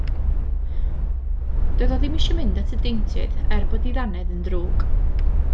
Doedd o ddim isio mynd at y deintydd er bod 'i ddannedd yn ddrwg.